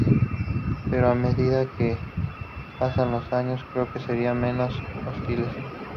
Pero a medida que pasan los años, creo que serán menos hostiles.